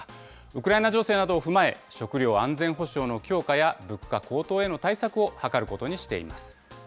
ウクライナ情勢などを踏まえ、食料安全保障の強化や物価高騰への対策を図ることにしています。